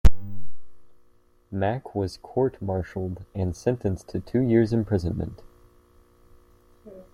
Mack was court-martialed and sentenced to two years' imprisonment.